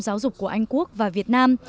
giáo dục của anh quốc và việt nam